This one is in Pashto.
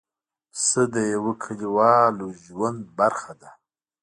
پسه د یوه کلیوالو ژوند برخه ده.